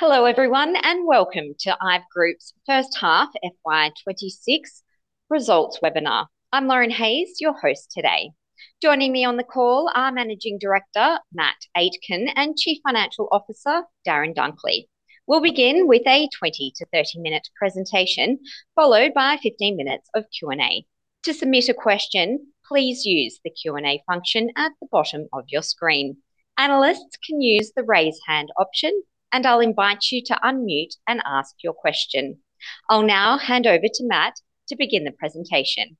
Hello, everyone, welcome to IVE Group's first half FY 2026 results webinar. I'm Lauren Hayes, your host today. Joining me on the call are Managing Director, Matt Aitken, and Chief Financial Officer, Darren Dunkley. We'll begin with a 20-30-minute presentation, followed by 15 minutes of Q&A. To submit a question, please use the Q&A function at the bottom of your screen. Analysts can use the Raise Hand option, I'll invite you to unmute and ask your question. I'll now hand over to Matt to begin the presentation.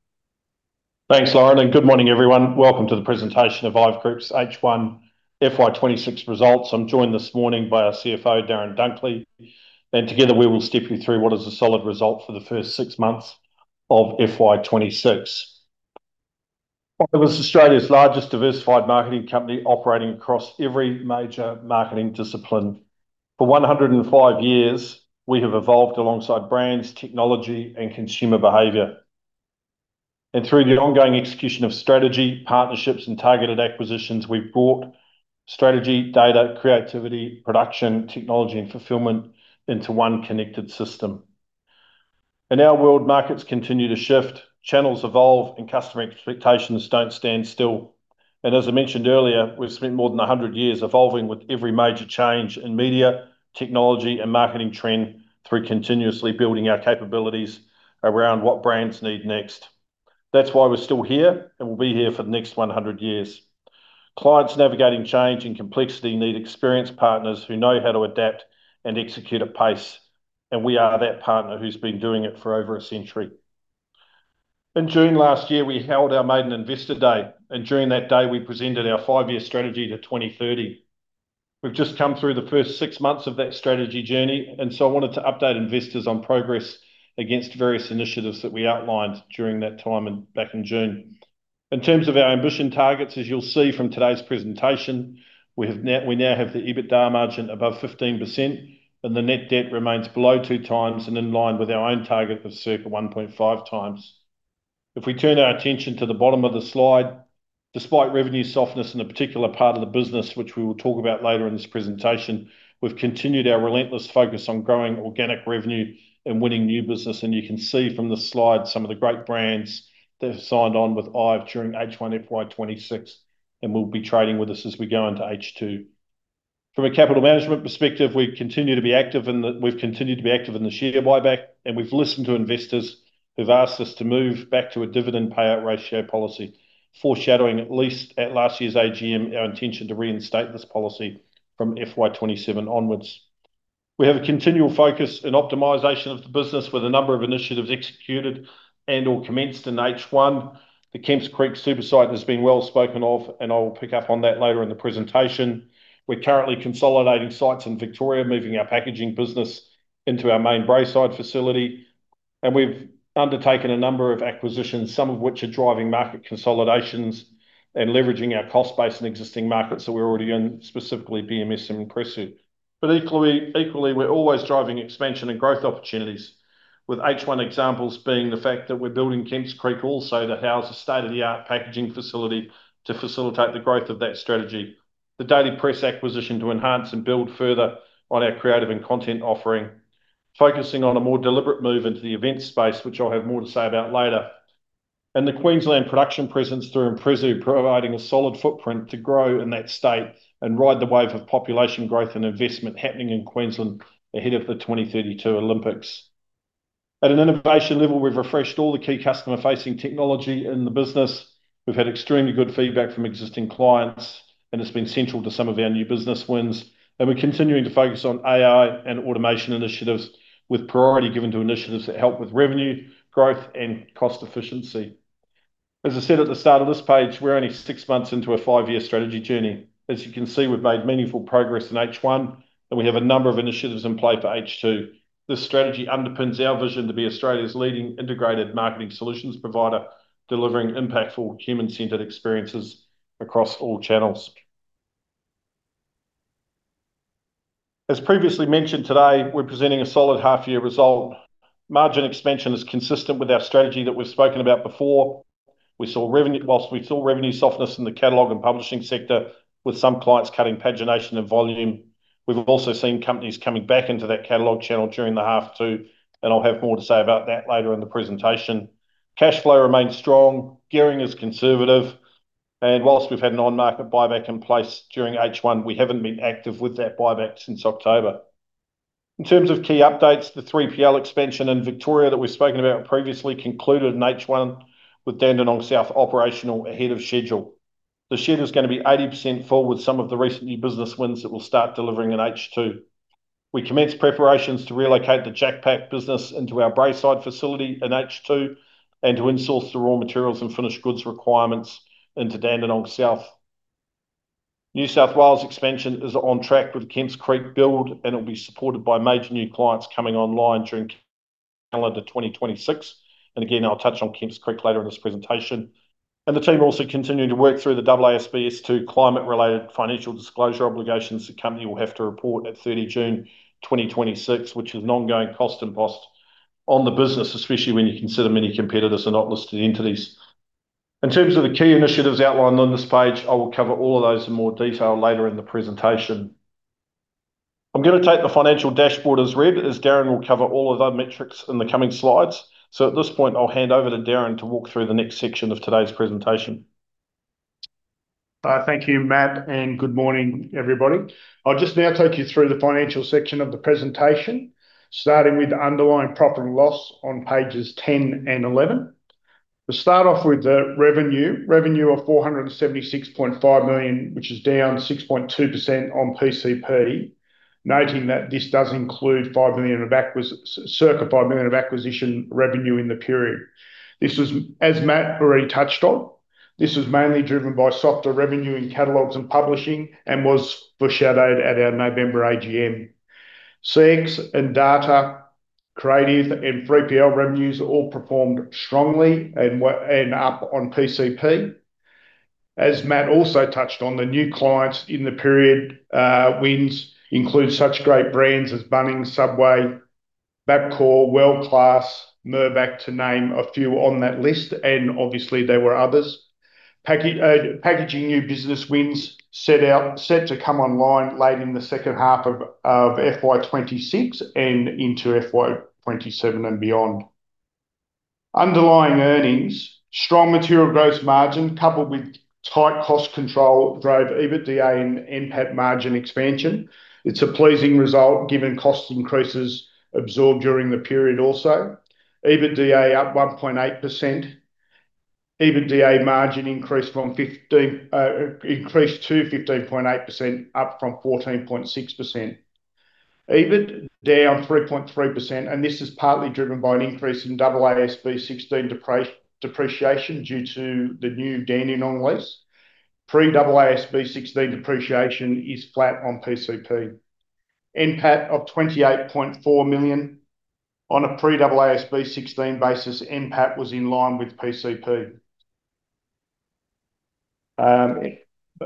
Thanks, Lauren. Good morning, everyone. Welcome to the presentation of IVE Group's H1 FY 2026 results. I'm joined this morning by our CFO, Darren Dunkley, together we will step you through what is a solid result for the first six months of FY 2026. IVE is Australia's largest diversified marketing company, operating across every major marketing discipline. For 105 years, we have evolved alongside brands, technology, and consumer behavior. Through the ongoing execution of strategy, partnerships, and targeted acquisitions, we've brought strategy, data, creativity, production, technology, and fulfillment into one connected system. In our world, markets continue to shift, channels evolve, and customer expectations don't stand still. As I mentioned earlier, we've spent more than 100 years evolving with every major change in media, technology, and marketing trend through continuously building our capabilities around what brands need next. That's why we're still here, and we'll be here for the next 100 years. Clients navigating change and complexity need experienced partners who know how to adapt and execute at pace, and we are that partner who's been doing it for over a century. In June last year, we held our maiden Investor Day, and during that day, we presented our five-year strategy to 2030. We've just come through the first six months of that strategy journey, I wanted to update investors on progress against various initiatives that we outlined during that time back in June. In terms of our ambition targets, as you'll see from today's presentation, we now have the EBITDA margin above 15% and the net debt remains below two times and in line with our own target of circa 1.5x. If we turn our attention to the bottom of the slide, despite revenue softness in a particular part of the business, which we will talk about later in this presentation, we've continued our relentless focus on growing organic revenue and winning new business. You can see from the slide some of the great brands that have signed on with IVE Group during H1 FY 2026, and will be trading with us as we go into H2. From a capital management perspective, we've continued to be active in the share buyback. We've listened to investors who've asked us to move back to a dividend payout ratio policy, foreshadowing, at least at last year's AGM, our intention to reinstate this policy from FY 2027 onwards. We have a continual focus in optimization of the business with a number of initiatives executed and/or commenced in H1. The Kemps Creek super site has been well spoken of, and I will pick up on that later in the presentation. We're currently consolidating sites in Victoria, moving our packaging business into our main Braeside facility, and we've undertaken a number of acquisitions, some of which are driving market consolidations and leveraging our cost base in existing markets that we're already in, specifically BMS and Impressu. Equally, we're always driving expansion and growth opportunities, with H1 examples being the fact that we're building Kemps Creek also to house a state-of-the-art packaging facility to facilitate the growth of that strategy. The Daily Press acquisition to enhance and build further on our Creative and Content offering. Focusing on a more deliberate move into the event space, which I'll have more to say about later. The Queensland production presence through Impressu, providing a solid footprint to grow in that state and ride the wave of population growth and investment happening in Queensland ahead of the 2032 Olympics. At an innovation level, we've refreshed all the key customer-facing technology in the business. We've had extremely good feedback from existing clients, it's been central to some of our new business wins, we're continuing to focus on AI and automation initiatives, with priority given to initiatives that help with revenue, growth, and cost efficiency. As I said at the start of this page, we're only six months into a five-year strategy journey. As you can see, we've made meaningful progress in H1, we have a number of initiatives in play for H2. This strategy underpins our vision to be Australia's leading integrated marketing solutions provider, delivering impactful, human-centered experiences across all channels. As previously mentioned, today, we're presenting a solid half-year result. Margin expansion is consistent with our strategy that we've spoken about before. Whilst we saw revenue softness in the catalog and publishing sector, with some clients cutting pagination and volume, we've also seen companies coming back into that catalog channel during the half two, and I'll have more to say about that later in the presentation. Cash flow remains strong, gearing is conservative, and whilst we've had an on-market buyback in place during H1, we haven't been active with that buyback since October. In terms of key updates, the 3PL expansion in Victoria that we've spoken about previously concluded in H1 with Dandenong South operational ahead of schedule. The shed is going to be 80% full with some of the recent new business wins that will start delivering in H2. We commenced preparations to relocate the JacPak business into our Braeside facility in H2, and to in-source the raw materials and finished goods requirements into Dandenong South. New South Wales expansion is on track with the Kemps Creek build, it will be supported by major new clients coming online during calendar 2026. Again, I'll touch on Kemps Creek later in this presentation. The team are also continuing to work through the AASB S2 climate-related financial disclosure obligations the company will have to report at 30 June 2026, which is an ongoing cost imposed on the business, especially when you consider many competitors are not listed entities. In terms of the key initiatives outlined on this page, I will cover all of those in more detail later in the presentation. I'm gonna take the financial dashboard as read, as Darren will cover all of the metrics in the coming slides. At this point, I'll hand over to Darren to walk through the next section of today's presentation. Thank you, Matt, and good morning, everybody. I'll just now take you through the financial section of the presentation, starting with the underlying profit and loss on pages 10 and 11. We'll start off with the revenue. Revenue of 476.5 million, which is down 6.2% on PCP, noting that this does include circa 5 million of acquisition revenue in the period. This was, as Matt already touched on, this was mainly driven by softer revenue in catalogs and publishing and was foreshadowed at our November AGM. CX & Data, Creative, and 3PL revenues all performed strongly and were up on PCP. As Matt also touched on, the new clients in the period wins include such great brands as Bunnings, Subway, Bapcor, World Class, Mirvac, to name a few on that list, and obviously, there were others. Packaging new business wins set to come online late in the second half of FY 2026 and into FY 2027 and beyond. Underlying earnings: strong material gross margin, coupled with tight cost control, drove EBITDA and NPAT margin expansion. It's a pleasing result, given cost increases absorbed during the period also. EBITDA up 1.8%. EBITDA margin increased from 15%, increased to 15.8%, up from 14.6%. EBIT down 3.3%. This is partly driven by an increase in AASB 16 depreciation due to the new Dandenong lease. Pre-AASB 16 depreciation is flat on PCP. NPAT of 28.4 million. On a pre-AASB 16 basis, NPAT was in line with PCP.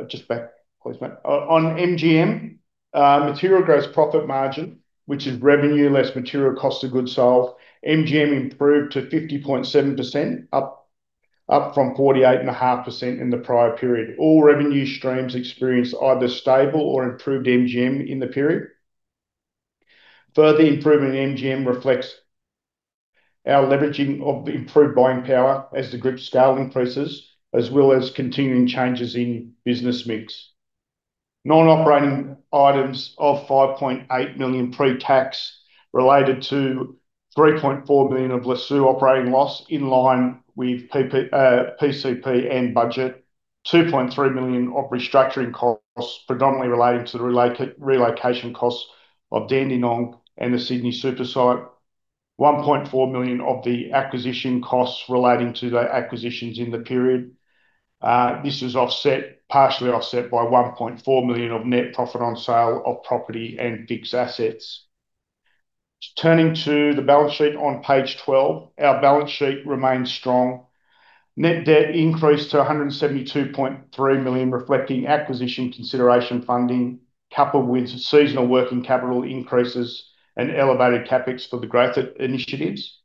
Just back, please, Matt. On MGM, material gross profit margin, which is revenue less material cost of goods sold, MGM improved to 50.7%, up from 48.5% in the prior period. All revenue streams experienced either stable or improved MGM in the period. Further improvement in MGM reflects our leveraging of the improved buying power as the group's scale increases, as well as continuing changes in business mix. Non-operating items of 5.8 million pre-tax, related to 3.4 million of Lasoo operating loss, in line with PCP and budget. 2.3 million of restructuring costs, predominantly related to the relocation costs of Dandenong and the Sydney super site. 1.4 million of the acquisition costs relating to the acquisitions in the period. This was offset, partially offset by 1.4 million of net profit on sale of property and fixed assets. Turning to the balance sheet on page 12. Our balance sheet remains strong. Net debt increased to 172.3 million, reflecting acquisition consideration funding, coupled with seasonal working capital increases and elevated CapEx for the growth initiatives.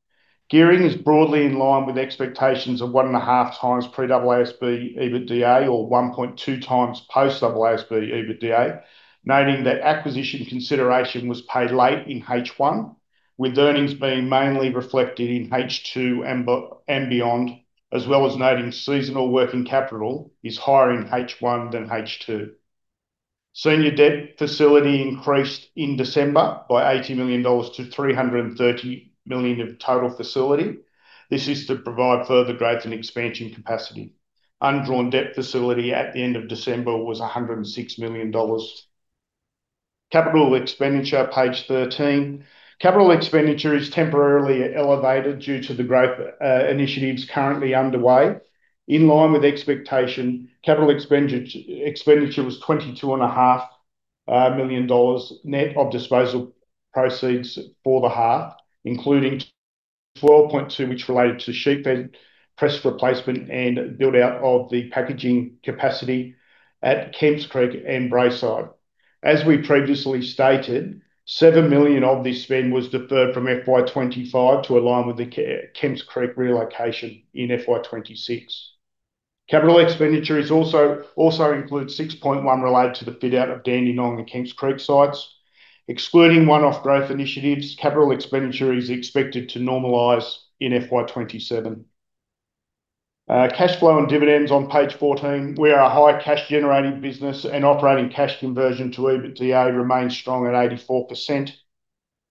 Gearing is broadly in line with expectations of 1.5x pre-AASB EBITDA, or 1.2x post-AASB EBITDA, noting that acquisition consideration was paid late in H1, with earnings being mainly reflected in H2 and beyond, as well as noting seasonal working capital is higher in H1 than H2. Senior debt facility increased in December by 80 million dollars to 330 million of total facility. This is to provide further growth and expansion capacity. Undrawn debt facility at the end of December was 106 million dollars. Capital expenditure, page 13. Capital expenditure is temporarily elevated due to the growth initiatives currently underway. In line with expectation, capital expenditure was AUD 22.5 million net of disposal proceeds for the half, including 12.2, which related to sheet-fed press replacement and build-out of the packaging capacity at Kemps Creek and Braeside. As we previously stated, 7 million of this spend was deferred from FY 2025 to align with the Kemps Creek relocation in FY 2026. Capital expenditure also includes 6.1 related to the fit-out of Dandenong and Kemps Creek sites. Excluding one-off growth initiatives, capital expenditure is expected to normalize in FY 2027. Cash flow and dividends on page 14. We are a high cash-generating business. Operating cash conversion to EBITDA remains strong at 84%.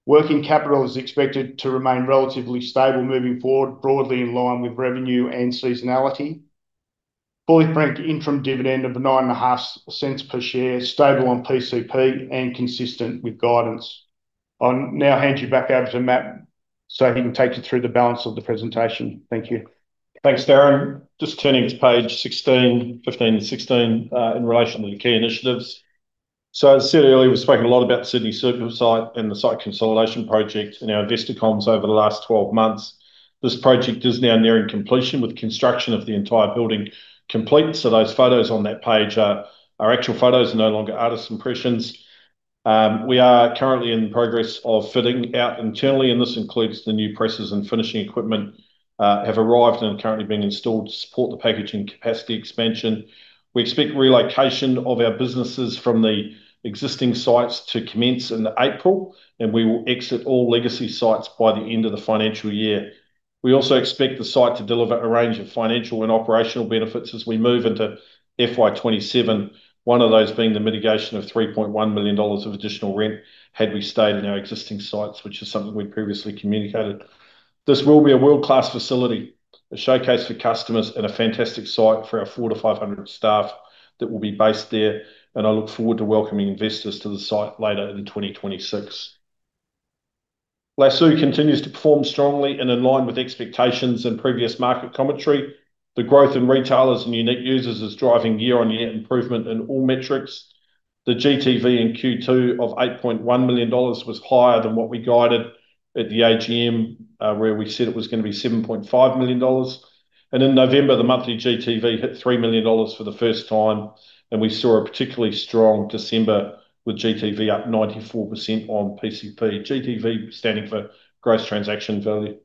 Working capital is expected to remain relatively stable moving forward, broadly in line with revenue and seasonality. Fully franked interim dividend of the nine and a half cents per share, stable on PCP and consistent with guidance. I'll now hand you back over to Matt so he can take you through the balance of the presentation. Thank you. Thanks, Darren. Just turning to page 16, 15 and 16, in relation to the key initiatives. As I said earlier, we've spoken a lot about Sydney super site and the site consolidation project and our investicom over the last 12 months. This project is now nearing completion, with construction of the entire building complete. Those photos on that page are actual photos, no longer artist's impressions. We are currently in progress of fitting out internally, and this includes the new presses and finishing equipment have arrived and are currently being installed to support the packaging capacity expansion. We expect relocation of our businesses from the existing sites to commence in April, and we will exit all legacy sites by the end of the financial year. We also expect the site to deliver a range of financial and operational benefits as we move into FY 2027, one of those being the mitigation of 3.1 million dollars of additional rent had we stayed in our existing sites, which is something we previously communicated. This will be a world-class facility, a showcase for customers, and a fantastic site for our 400-500 staff that will be based there, and I look forward to welcoming investors to the site later in 2026. Lasoo continues to perform strongly and in line with expectations and previous market commentary. The growth in retailers and unique users is driving year-on-year improvement in all metrics. The GTV in Q2 of 8.1 million dollars was higher than what we guided at the AGM, where we said it was going to be 7.5 million dollars. In November, the monthly GTV hit 3 million dollars for the first time, and we saw a particularly strong December with GTV up 94% on PCP, GTV standing for gross transaction value.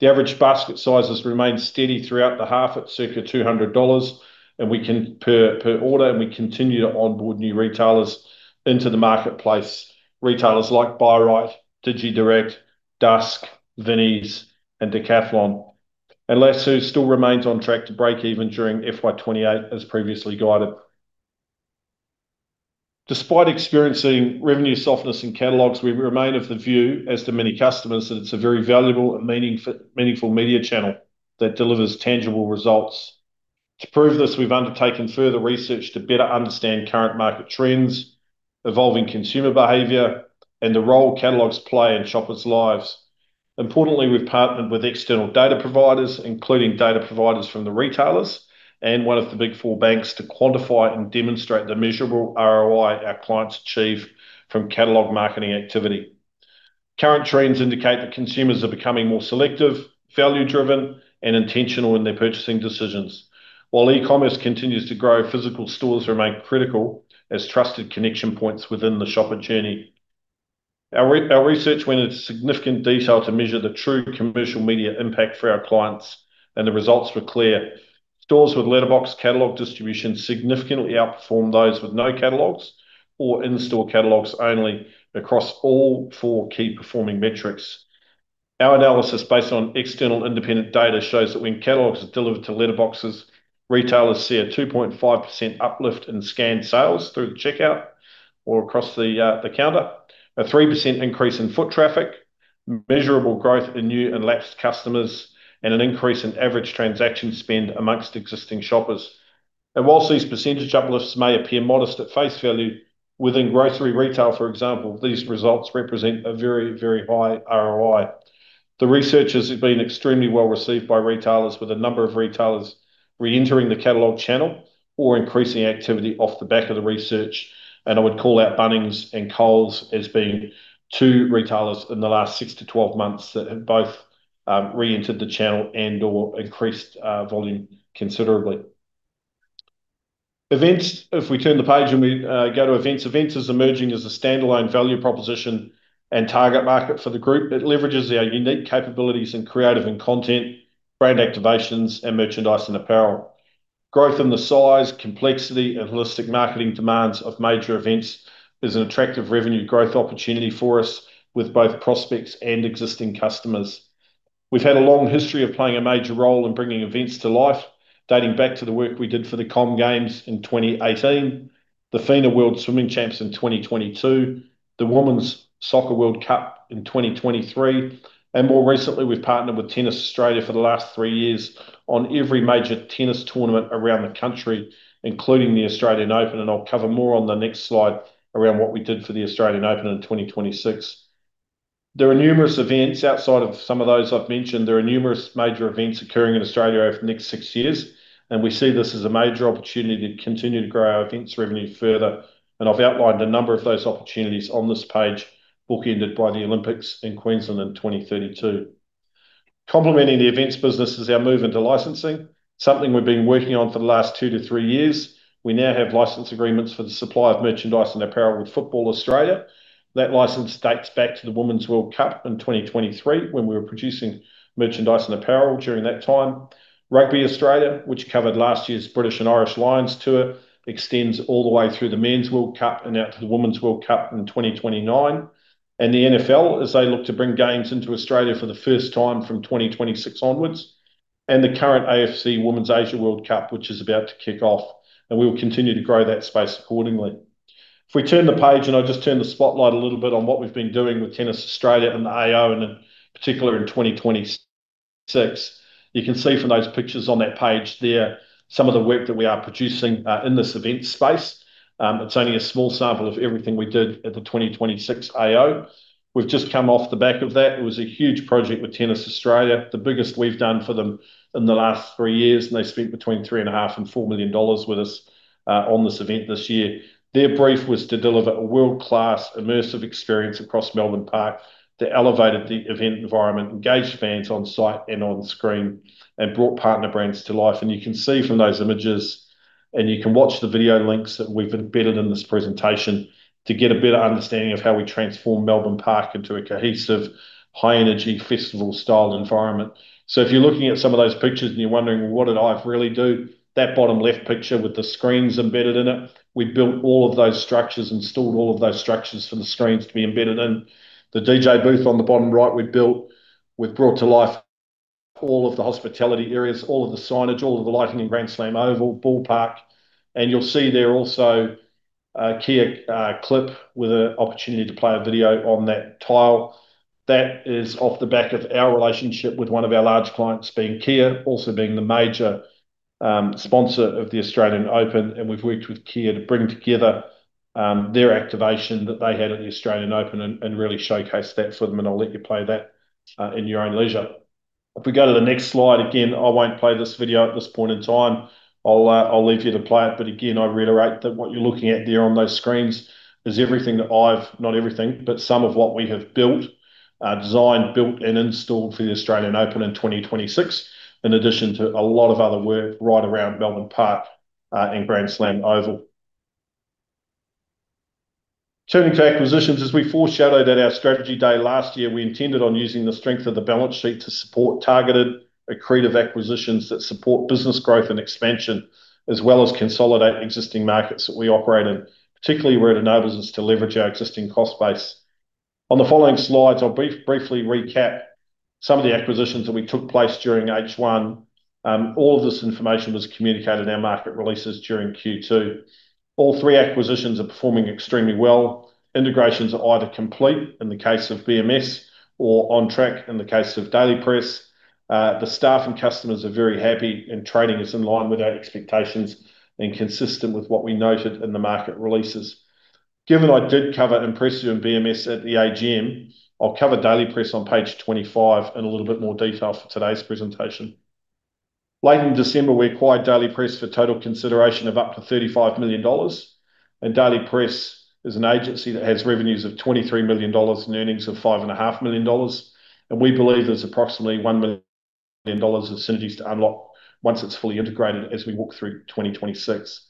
The average basket sizes remained steady throughout the half at circa 200 dollars, and we continue to onboard new retailers into the marketplace. Retailers like BuyRight, digiDirect, dusk, Vinnies, and Decathlon. Lasoo still remains on track to break even during FY 2028, as previously guided. Despite experiencing revenue softness in catalogs, we remain of the view, as do many customers, that it's a very valuable and meaningful media channel that delivers tangible results. To prove this, we've undertaken further research to better understand current market trends, evolving consumer behavior, and the role catalogs play in shoppers' lives. Importantly, we've partnered with external data providers, including data providers from the retailers and one of the Big Four banks, to quantify and demonstrate the measurable ROI our clients achieve from catalog marketing activity. Current trends indicate that consumers are becoming more selective, value-driven, and intentional in their purchasing decisions. While e-commerce continues to grow, physical stores remain critical as trusted connection points within the shopper journey. Our research went into significant detail to measure the true commercial media impact for our clients. The results were clear. Stores with letterbox catalog distribution significantly outperformed those with no catalogs or in-store catalogs only across all four key performing metrics. Our analysis, based on external independent data, shows that when catalogs are delivered to letterboxes, retailers see a 2.5% uplift in scanned sales through the checkout or across the counter, a 3% increase in foot traffic, measurable growth in new and lapsed customers, and an increase in average transaction spend amongst existing shoppers. Whilst these percentage uplifts may appear modest at face value, within grocery retail, for example, these results represent a very, very high ROI. The research has been extremely well-received by retailers, with a number of retailers reentering the catalog channel or increasing activity off the back of the research, I would call out Bunnings and Coles as being two retailers in the last six-12 months that have both reentered the channel and/or increased volume considerably. Events, if we turn the page and we go to events is emerging as a standalone value proposition and target market for the group that leverages our unique capabilities in creative and content, brand activations, and merchandise and apparel. Growth in the size, complexity, and holistic marketing demands of major events is an attractive revenue growth opportunity for us with both prospects and existing customers. We've had a long history of playing a major role in bringing events to life, dating back to the work we did for the Comm Games in 2018, the FINA World Swimming Champs in 2022, the Women's Soccer World Cup in 2023. More recently, we've partnered with Tennis Australia for the last 3 years on every major tennis tournament around the country, including the Australian Open. I'll cover more on the next slide around what we did for the Australian Open in 2026. There are numerous events outside of some of those I've mentioned. There are numerous major events occurring in Australia over the next six years. We see this as a major opportunity to continue to grow our events revenue further. I've outlined a number of those opportunities on this page, bookended by the Olympics in Queensland in 2032. Complementing the events business is our move into licensing, something we've been working on for the last two to three years. We now have license agreements for the supply of merchandise and apparel with Football Australia. That license dates back to the Women's World Cup in 2023, when we were producing merchandise and apparel during that time. Rugby Australia, which covered last year's British and Irish Lions tour, extends all the way through the Men's World Cup and out to the Women's World Cup in 2029. The NFL, as they look to bring games into Australia for the first time from 2026 onwards, and the current AFC Women's Asia World Cup, which is about to kick off, and we will continue to grow that space accordingly. If we turn the page, I'll just turn the spotlight a little bit on what we've been doing with Tennis Australia and the AO, in particular in 2026. You can see from those pictures on that page there some of the work that we are producing in this event space. It's only a small sample of everything we did at the 2026 AO. We've just come off the back of that. It was a huge project with Tennis Australia, the biggest we've done for them in the last 3 years, they spent between 3.5 million and 4 million dollars with us on this event this year. Their brief was to deliver a world-class, immersive experience across Melbourne Park that elevated the event environment, engaged fans on-site and on-screen, brought partner brands to life. You can see from those images, and you can watch the video links that we've embedded in this presentation, to get a better understanding of how we transformed Melbourne Park into a cohesive, high-energy, festival-style environment. If you're looking at some of those pictures and you're wondering, "What did I really do?" That bottom left picture with the screens embedded in it, we built all of those structures, installed all of those structures for the screens to be embedded in. The DJ booth on the bottom right, we brought to life... all of the hospitality areas, all of the signage, all of the lighting in Grand Slam Oval, ballpark. You'll see there also a Kia clip with an opportunity to play a video on that tile. That is off the back of our relationship with one of our large clients, being Kia, also being the major sponsor of the Australian Open, and we've worked with Kia to bring together their activation that they had at the Australian Open and really showcase that for them, and I'll let you play that in your own leisure. If we go to the next slide, again, I won't play this video at this point in time. I'll leave you to play it. Again, I reiterate that what you're looking at there on those screens is everything that IVE not everything, but some of what we have built, designed, built, and installed for the Australian Open in 2026, in addition to a lot of other work right around Melbourne Park and Grand Slam Oval. Turning to acquisitions, as we foreshadowed at our strategy day last year, we intended on using the strength of the balance sheet to support targeted accretive acquisitions that support business growth and expansion, as well as consolidate existing markets that we operate in. Particularly, where it enables us to leverage our existing cost base. On the following slides, I'll briefly recap some of the acquisitions that we took place during H1. All of this information was communicated in our market releases during Q2. All three acquisitions are performing extremely well. Integrations are either complete, in the case of BMS, or on track, in the case of Daily Press. The staff and customers are very happy, and trading is in line with our expectations and consistent with what we noted in the market releases. Given I did cover Impressu and BMS at the AGM, I'll cover Daily Press on page 25 in a little bit more detail for today's presentation. Late in December, we acquired Daily Press for total consideration of up to 35 million dollars. Daily Press is an agency that has revenues of 23 million dollars and earnings of 5.5 million dollars. We believe there's approximately 1 million dollars of synergies to unlock once it's fully integrated as we walk through 2026.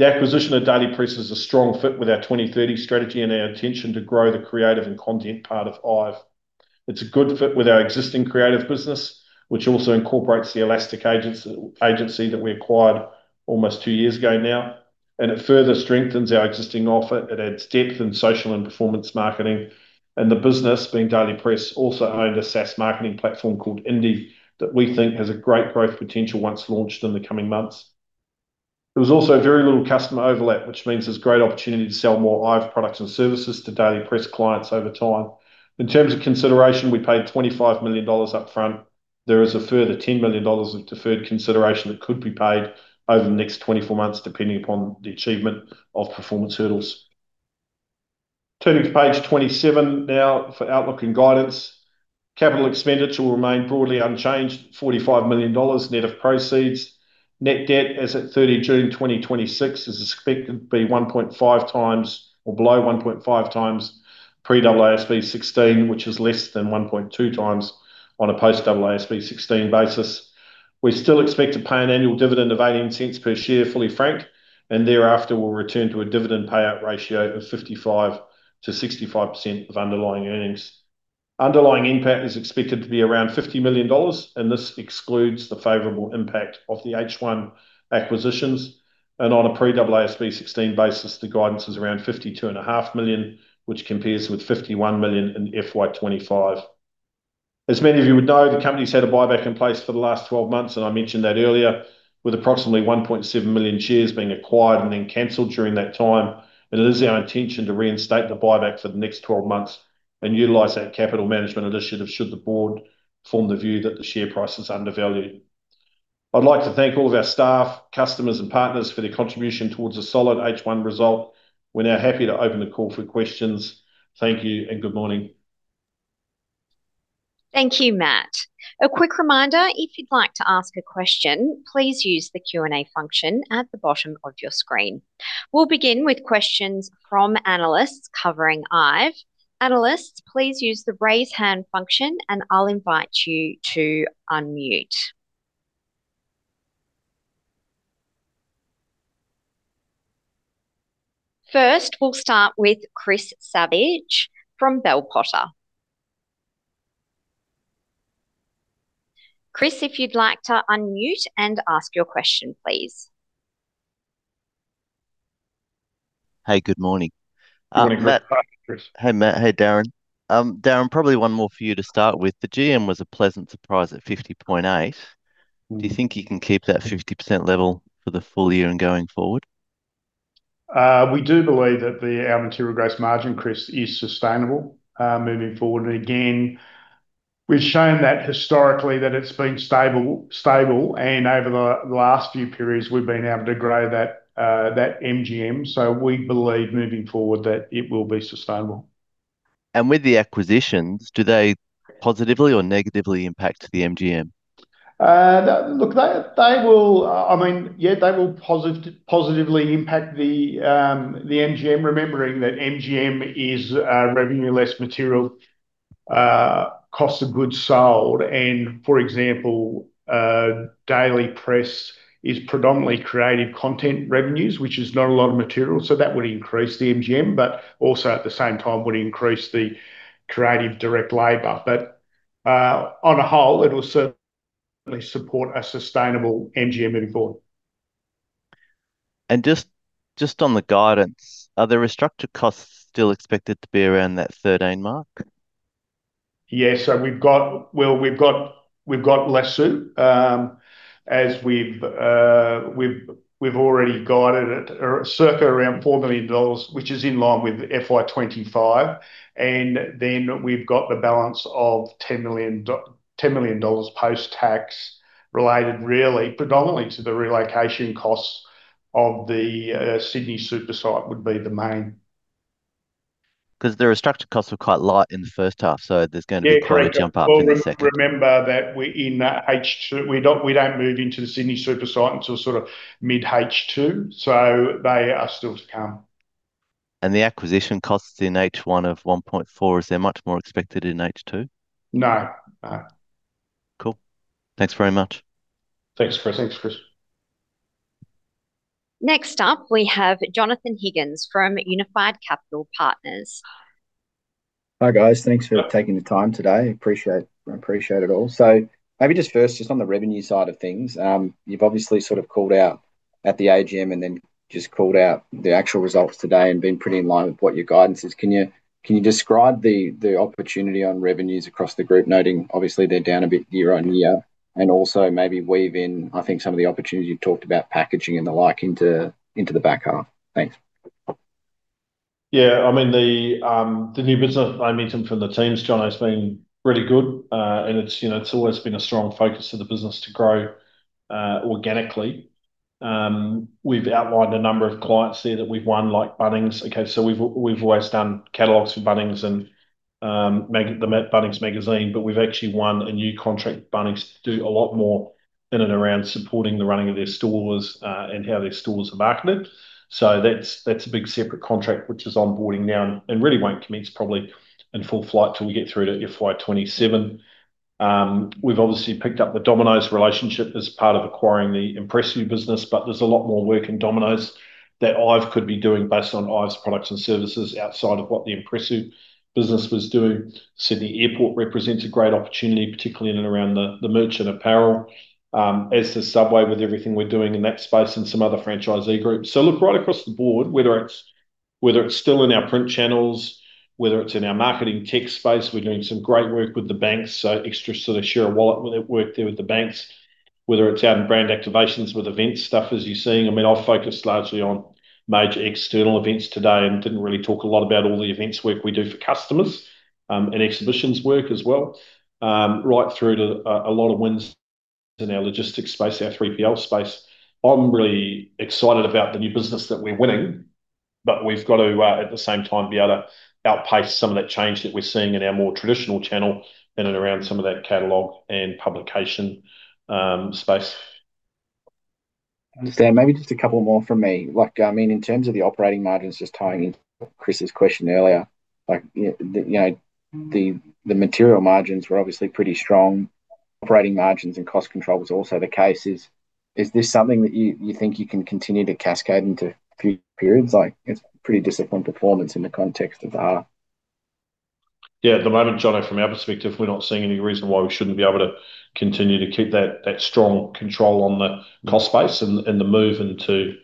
The acquisition of Daily Press is a strong fit with our 2030 strategy and our intention to grow the Creative and Content part of IVE. It's a good fit with our existing creative business, which also incorporates the Elastic agency that we acquired almost two years ago now. It further strengthens our existing offer. It adds depth in social and performance marketing. The business, being Daily Press, also owned a SaaS marketing platform called Indie, that we think has a great growth potential once launched in the coming months. There was also very little customer overlap, which means there's great opportunity to sell more IVE products and services to Daily Press clients over time. In terms of consideration, we paid 25 million dollars upfront. There is a further 10 million dollars of deferred consideration that could be paid over the next 24 months, depending upon the achievement of performance hurdles. Turning to page 27 now for outlook and guidance. CapEx will remain broadly unchanged, 45 million dollars net of proceeds. Net debt as at 30 June 2026 is expected to be 1.5x, or below 1.5x pre-AASB 16, which is less than 1.2x on a post-AASB 16 basis. We still expect to pay an annual dividend of 0.18 per share, fully frank, thereafter we'll return to a dividend payout ratio of 55%-65% of underlying earnings. Underlying impact is expected to be around 50 million dollars, this excludes the favorable impact of the H1 acquisitions, on a pre-AASB 16 basis, the guidance is around 52.5 million, which compares with 51 million in FY 2025. As many of you would know, the company's had a buyback in place for the last 12 months, I mentioned that earlier, with approximately 1.7 million shares being acquired and then canceled during that time. It is our intention to reinstate the buyback for the next 12 months and utilize that capital management initiative, should the board form the view that the share price is undervalued. I'd like to thank all of our staff, customers, and partners for their contribution towards a solid H1 result. We're now happy to open the call for questions. Thank you and good morning. Thank you, Matt. A quick reminder, if you'd like to ask a question, please use the Q&A function at the bottom of your screen. We'll begin with questions from analysts covering IVE. Analysts, please use the raise hand function, and I'll invite you to unmute. First, we'll start with Chris Savage from Bell Potter. Chris, if you'd like to unmute and ask your question, please. Hey, good morning. Good morning, Chris. Hey, Matt. Hey, Darren. Darren, probably one more for you to start with. The GM was a pleasant surprise at 50.8%. Mm. Do you think you can keep that 50% level for the full year and going forward? We do believe that our material gross margin, Chris, is sustainable moving forward. Again, we've shown that historically, that it's been stable, and over the last few periods, we've been able to grow that MGM. We believe, moving forward, that it will be sustainable. With the acquisitions, do they positively or negatively impact the MGM? Look, they will. I mean, yeah, they will positively impact the MGM, remembering that MGM is revenue less material cost of goods sold. For example, Daily Press is predominantly creative content revenues, which is not a lot of material, so that would increase the MGM, but also at the same time would increase the creative direct labor. On a whole, it will certainly support a sustainable MGM moving forward. Just on the guidance, are the restructure costs still expected to be around that 13 mark? Well, we've got Lasoo, as we've already guided it at circa around 4 million dollars, which is in line with FY 2025. Then we've got the balance of 10 million dollars post-tax, related really predominantly to the relocation costs of the Sydney super site would be the main. The restructure costs were quite light in the first half. Yeah, correct. -a jump up in the second. Well, remember that we're in H2. We don't move into the Sydney super site until sort of mid-H2, so they are still to come. The acquisition costs in H1 of 1.4, is there much more expected in H2? No. Cool. Thanks very much. Thanks, Chris. Thanks, Chris. Next up, we have Jonathon Higgins from Unified Capital Partners. Hi, guys. Thanks for taking the time today. I appreciate it all. Maybe just first, just on the revenue side of things, you've obviously sort of called out at the AGM and then just called out the actual results today and been pretty in line with what your guidance is. Can you describe the opportunity on revenues across the group, noting obviously they're down a bit year-on-year, and also maybe weave in, I think, some of the opportunity you've talked about packaging and the like into the back half. Thanks. I mean, the new business momentum from the teams, Jono, has been really good. It's, you know, it's always been a strong focus of the business to grow organically. We've outlined a number of clients there that we've won, like Bunnings. Okay, we've always done catalogs for Bunnings and the Bunnings magazine, but we've actually won a new contract with Bunnings to do a lot more in and around supporting the running of their stores and how their stores are marketed. That's a big separate contract, which is onboarding now and really won't commence probably in full flight till we get through to FY 2027. We've obviously picked up the Domino's relationship as part of acquiring the Impressu business, but there's a lot more work in Domino's that IVE could be doing based on IVE's products and services outside of what the Impressu business was doing. Sydney Airport represents a great opportunity, particularly in and around the merch and apparel, as does Subway with everything we're doing in that space and some other franchisee groups. Look right across the board, whether it's, whether it's still in our print channels, whether it's in our marketing tech space. We're doing some great work with the banks, so extra sort of share of wallet work there with the banks, whether it's out in brand activations with event stuff, as you're seeing. I mean, I've focused largely on major external events today and didn't really talk a lot about all the events work we do for customers and exhibitions work as well. Right through to a lot of wins in our logistics space, our 3PL space. I'm really excited about the new business that we're winning, we've got to at the same time, be able to outpace some of that change that we're seeing in our more traditional channel in and around some of that catalog and publication space. Understand. Maybe just a couple more from me. Like, I mean, in terms of the operating margins, just tying into Chris's question earlier, like, you know, the material margins were obviously pretty strong. Operating margins and cost control was also the case. Is this something that you think you can continue to cascade into future periods? Like, it's pretty disciplined performance in the context of the R. At the moment, Jono, from our perspective, we're not seeing any reason why we shouldn't be able to continue to keep that strong control on the cost base and the move into,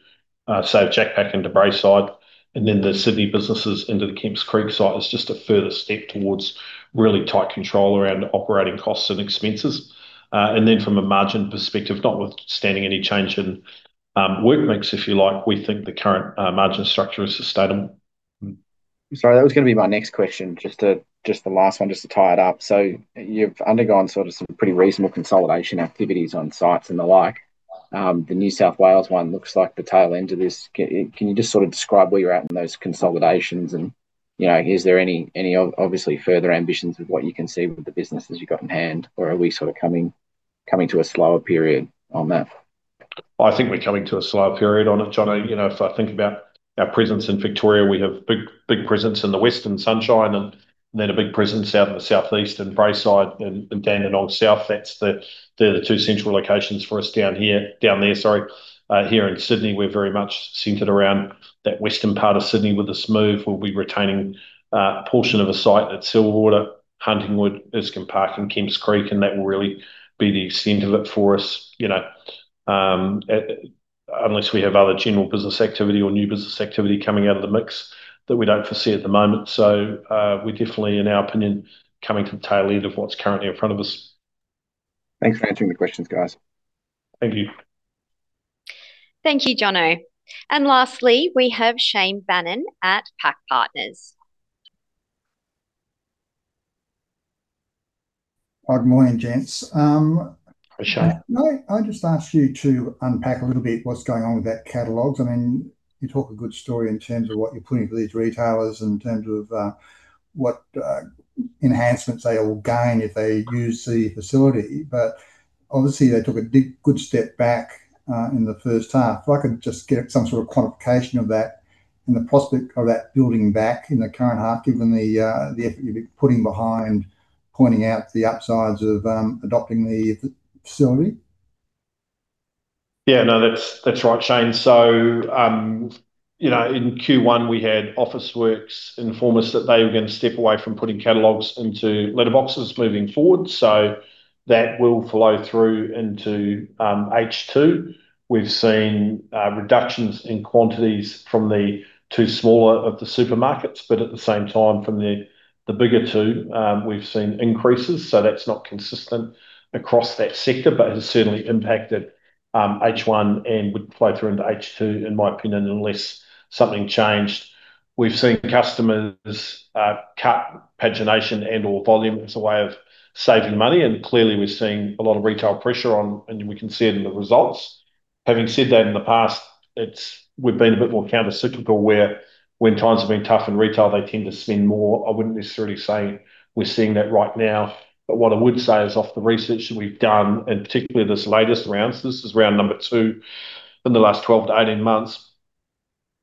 say, JacPak into Braeside, and then the Sydney businesses into the Kemps Creek site is just a further step towards really tight control around operating costs and expenses. From a margin perspective, notwithstanding any change in work mix, if you like, we think the current margin structure is sustainable. Sorry, that was going to be my next question, just to, just the last one, just to tie it up. You've undergone sort of some pretty reasonable consolidation activities on sites and the like. The New South Wales one looks like the tail end of this. Can you just sort of describe where you're at in those consolidations? You know, is there any obviously further ambitions with what you can see with the businesses you've got in hand, or are we sort of coming to a slower period on that? I think we're coming to a slower period on it, Jono. You know, if I think about our presence in Victoria, we have big presence in the western Sunshine and then a big presence out in the southeast and Braeside and Dandenong South. They're the two central locations for us down there, sorry. Here in Sydney, we're very much centered around that western part of Sydney with this move. We'll be retaining a portion of a site at Silverwater, Huntingwood, Erskine Park, and Kemps Creek, and that will really be the extent of it for us, you know, unless we have other general business activity or new business activity coming out of the mix that we don't foresee at the moment. We're definitely, in our opinion, coming to the tail end of what's currently in front of us. Thanks for answering the questions, guys. Thank you. Thank you, Jono. Lastly, we have Shane Bannan at PAC Partners. Good morning, gents. Hi, Shane. Can I just ask you to unpack a little bit what's going on with that catalog? I mean, you talk a good story in terms of what you're putting for these retailers, in terms of what enhancements they will gain if they use the facility. Obviously, they took a big, good step back in the first half. If I could just get some sort of quantification of that and the prospect of that building back in the current half, given the effort you've been putting behind pointing out the upsides of adopting the facility. No, that's right, Shane. You know, in Q1, we had Officeworks inform us that they were going to step away from putting catalogs into letterboxes moving forward. That will flow through into H2. We've seen reductions in quantities from the two smaller of the supermarkets, but at the same time, from the bigger two, we've seen increases, that's not consistent across that sector, but it has certainly impacted H1 and would flow through into H2, in my opinion, unless something changed. We've seen customers cut pagination and/or volume as a way of saving money, clearly, we're seeing a lot of retail pressure on, we can see it in the results. Having said that, in the past, we've been a bit more countercyclical, where when times have been tough in retail, they tend to spend more. I wouldn't necessarily say we're seeing that right now. What I would say is, off the research that we've done, and particularly this latest round, this is round number two in the last 12-18 months,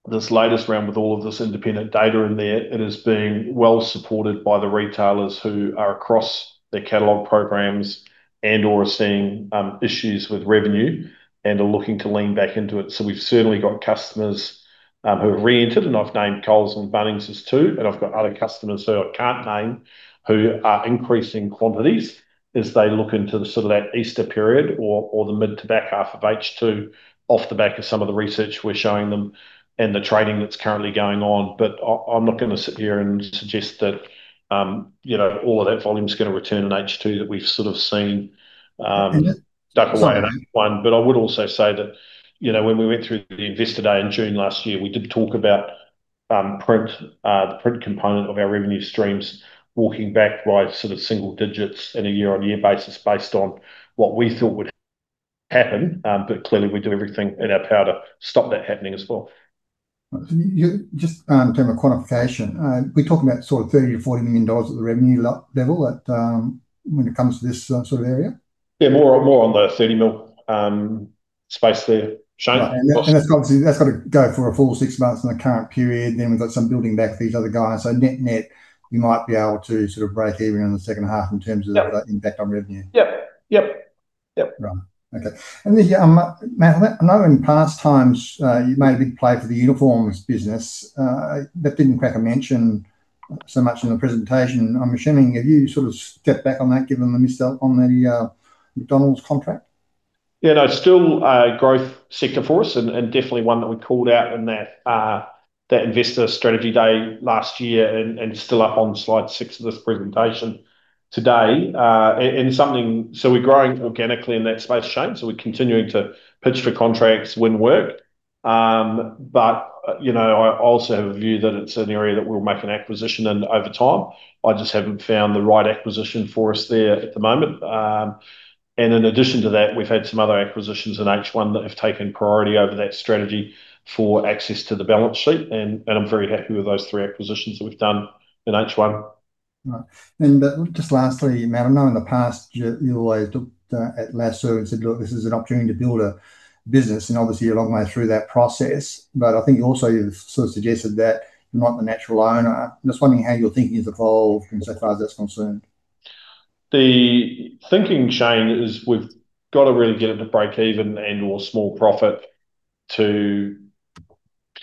this latest round with all of this independent data in there, it is being well-supported by the retailers who are across their catalog programs and/or are seeing issues with revenue and are looking to lean back into it. We've certainly got customers who have reentered, and I've named Coles and Bunnings as two, and I've got other customers who I can't name, who are increasing quantities as they look into the sort of that Easter period or the mid to back half of H2, off the back of some of the research we're showing them and the trading that's currently going on. I'm not going to sit here and suggest that, you know, all of that volume's going to return in H2, that we've sort of seen stuck away in H1. I would also say that, you know, when we went through the Investor Day in June last year, we did talk about print, the print component of our revenue streams walking back by sort of single digits in a year-on-year basis based on what we thought would happen. Clearly, we do everything in our power to stop that happening as well. You, just, in terms of quantification, we're talking about sort of 30 million-40 million dollars at the revenue level that, when it comes to this sort of area? Yeah, more on the 30 mil space there, Shane. That's got to go for a full six months in the current period, then we've got some building back for these other guys. Net-net, you might be able to sort of break even in the second half in terms of. Yeah the impact on revenue. Yep. Yep, yep. Right. Okay. Matt, I know in past times, you made a big play for the uniforms business. That didn't crack a mention so much in the presentation. I'm assuming, have you sort of stepped back on that, given the miss dealt on the McDonald's contract? Yeah, no, still a growth sector for us, and definitely one that we called out in that Investor Strategy Day last year and still up on slide six of this presentation today. We're growing organically in that space, Shane, so we're continuing to pitch for contracts win work. You know, I also have a view that it's an area that we'll make an acquisition in over time. I just haven't found the right acquisition for us there at the moment. In addition to that, we've had some other acquisitions in H1 that have taken priority over that strategy for access to the balance sheet, and I'm very happy with those three acquisitions that we've done in H1. Right. Just lastly, Matt, I know in the past, you always looked at Lasoo and said, "Look, this is an opportunity to build a business," and obviously, you're a long way through that process. I think you also sort of suggested that you're not the natural owner. I'm just wondering how your thinking has evolved insofar as that's concerned. The thinking, Shane, is we've got to really get it to break even and/or small profit to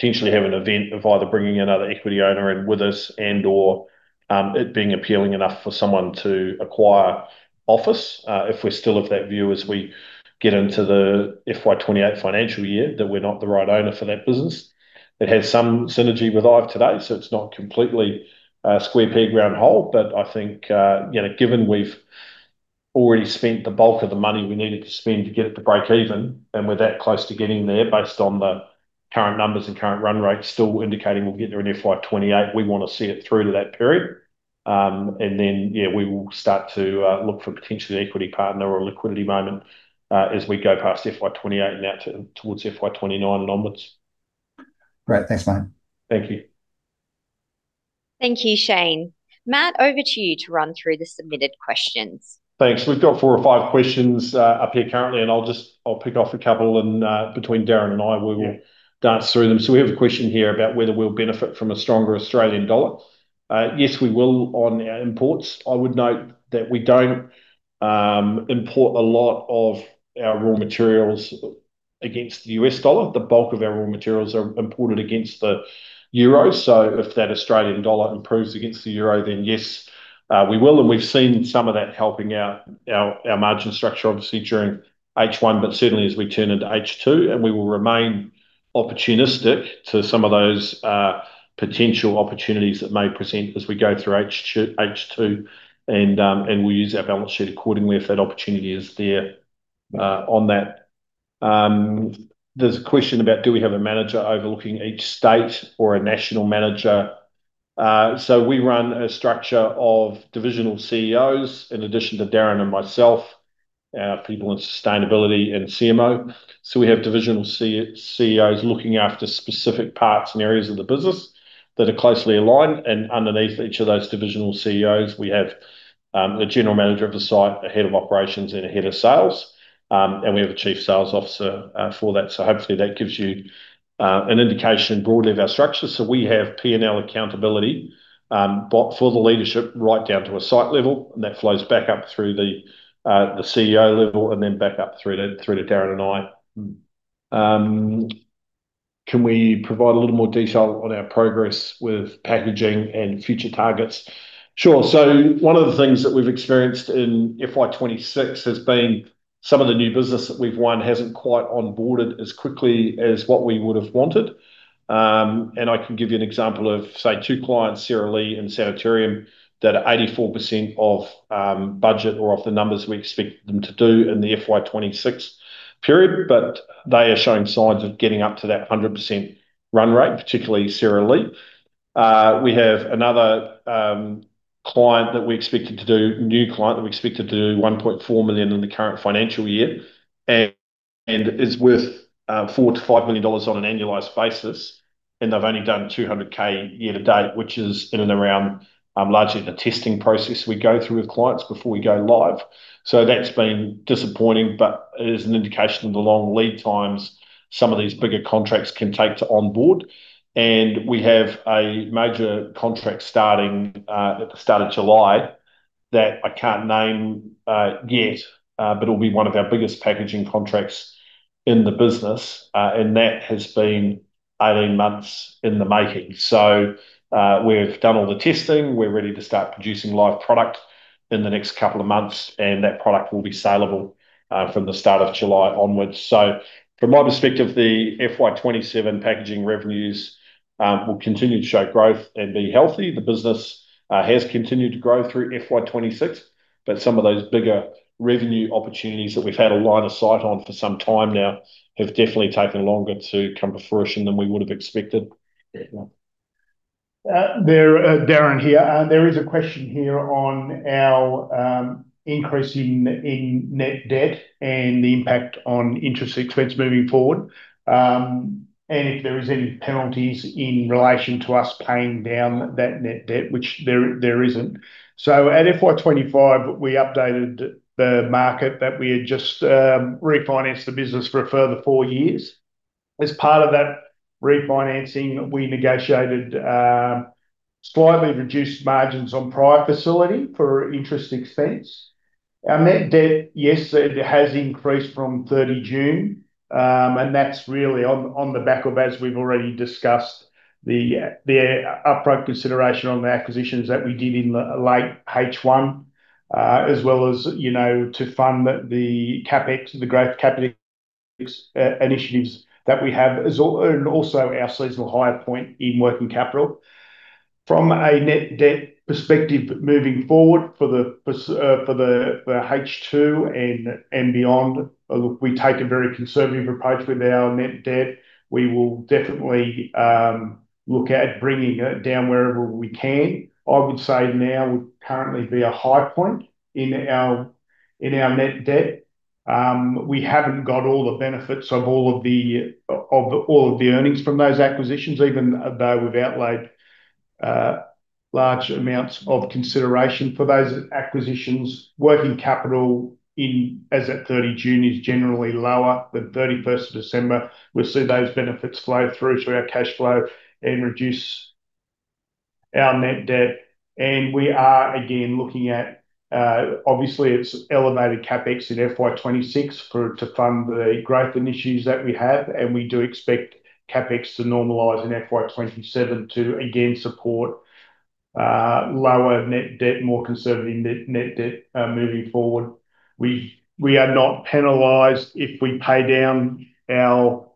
potentially have an event of either bringing another equity owner in with us and/or, it being appealing enough for someone to acquire office. If we're still of that view as we get into the FY 2028 financial year, that we're not the right owner for that business. It has some synergy with IVE Group today, so it's not completely a square peg, round hole. I think, you know, given we've already spent the bulk of the money we needed to spend to get it to break even, and we're that close to getting there based on the current numbers and current run rates, still indicating we'll get there in FY 2028, we want to see it through to that period. Yeah, we will start to look for potentially an equity partner or a liquidity moment as we go past FY 2028 and out towards FY 2029 and onwards. Great. Thanks, Matt. Thank you. Thank you, Shane. Matt, over to you to run through the submitted questions. Thanks. We've got four or five questions, up here currently, and I'll pick off a couple and, between Darren and I, we will. Yeah Dance through them. We have a question here about whether we'll benefit from a stronger Australian dollar. Yes, we will on our imports. I would note that we don't import a lot of our raw materials against the US dollar. The bulk of our raw materials are imported against the euro. If that Australian dollar improves against the euro, then yes, we will, and we've seen some of that helping our, our margin structure, obviously, during H1, but certainly as we turn into H2. We will remain opportunistic to some of those potential opportunities that may present as we go through H2, and we'll use our balance sheet accordingly if that opportunity is there on that. There's a question about do we have a manager overlooking each state or a national manager? We run a structure of divisional CEOs, in addition to Darren and myself, our people in sustainability and CMO. We have divisional CEOs looking after specific parts and areas of the business that are closely aligned, and underneath each of those divisional CEOs, we have a general manager of the site, a head of operations, and a head of sales, and we have a Chief Sales Officer for that. Hopefully, that gives you an indication broadly of our structure. We have P&L accountability, but for the leadership, right down to a site level, and that flows back up through the CEO level, and then back up through to Darren and I. Can we provide a little more detail on our progress with packaging and future targets? Sure. One of the things that we've experienced in FY 2026 has been some of the new business that we've won hasn't quite onboarded as quickly as what we would have wanted. I can give you an example of, say, two clients, Sara Lee and Sanitarium, that are 84% of budget or of the numbers we expect them to do in the FY 2026 period. They are showing signs of getting up to that 100% run rate, particularly Sara Lee. We have another client that we expected to do, new client that we expected to do 1.4 million in the current financial year, and is worth 4 million-5 million dollars on an annualized basis, and they've only done 200K year to date, which is in and around largely the testing process we go through with clients before we go live. That's been disappointing, but it is an indication of the long lead times some of these bigger contracts can take to onboard, and we have a major contract starting at the start of July, that I can't name yet, but it'll be one of our biggest packaging contracts in the business. And that has been 18 months in the making. We've done all the testing. We're ready to start producing live product in the next couple of months, and that product will be saleable from the start of July onwards. From my perspective, the FY 2027 packaging revenues will continue to show growth and be healthy. The business has continued to grow through FY 2026, but some of those bigger revenue opportunities that we've had a line of sight on for some time now have definitely taken longer to come to fruition than we would have expected. Darren here, there is a question here on our increase in net debt and the impact on interest expense moving forward, and if there is any penalties in relation to us paying down that net debt, which there isn't. At FY 2025, we updated the market that we had just refinanced the business for a further four years. As part of that refinancing, we negotiated slightly reduced margins on prior facility for interest expense. Our net debt, yes, it has increased from 30 June, that's really on the back of, as we've already discussed, the upfront consideration on the acquisitions that we did in late H1, as well as, you know, to fund the CapEx, the growth capital initiatives that we have, and also our seasonal higher point in working capital. From a net debt perspective, moving forward for the H2 and beyond, look, we take a very conservative approach with our net debt. We will definitely look at bringing it down wherever we can. I would say now would currently be a high point in our net debt. We haven't got all the benefits of all of the earnings from those acquisitions, even though we've outlayed large amounts of consideration for those acquisitions. Working capital in, as at 30 June, is generally lower, but 31st December, we'll see those benefits flow through to our cash flow and reduce our net debt, and we are again looking at, obviously, it's elevated CapEx in FY 2026 to fund the growth initiatives that we have, and we do expect CapEx to normalize in FY 2027 to again support lower net debt, more conservative net debt moving forward. We are not penalized if we pay down our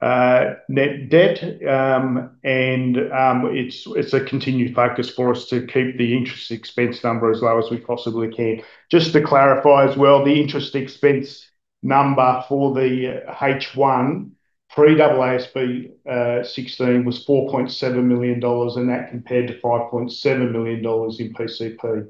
net debt, and it's a continued focus for us to keep the interest expense number as low as we possibly can. Just to clarify as well, the interest expense number for the H1 pre-AASB 16 was AUD 4.7 million, and that compared to 5.7 million dollars in PCP.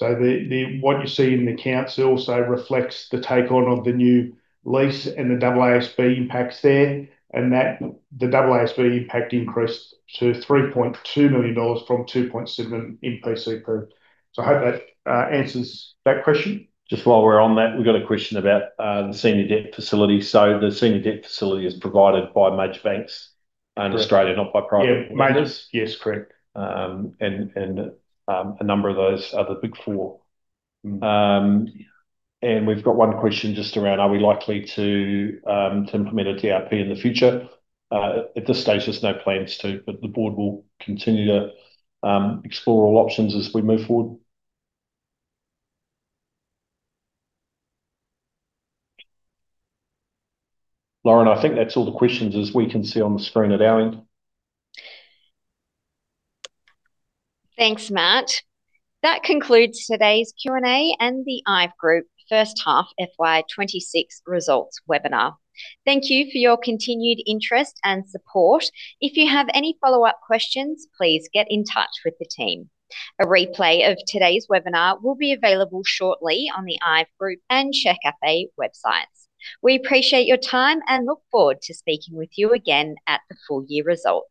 The what you see in the accounts also reflects the take on of the new lease and the AASB impacts there, and the AASB impact increased to 3.2 million dollars from 2.7 in PCP. I hope that answers that question. Just while we're on that, we've got a question about the senior debt facility. The senior debt facility is provided by major banks in Australia, not by. Yeah, majors. Yes, correct. A number of those are the Big Four. We've got one question just around: Are we likely to implement a DRP in the future? At this stage, there's no plans to, but the board will continue to explore all options as we move forward. Lauren, I think that's all the questions as we can see on the screen at our end. Thanks, Matt. That concludes today's Q&A and the IVE Group first half FY 2026 results webinar. Thank you for your continued interest and support. If you have any follow-up questions, please get in touch with the team. A replay of today's webinar will be available shortly on the IVE Group and Sharecafe websites. We appreciate your time and look forward to speaking with you again at the full year results.